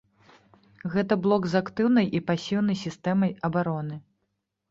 Гэта блок з актыўнай і пасіўнай сістэмай абароны.